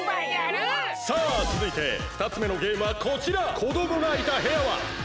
さあつづいてふたつめのゲームはこちら。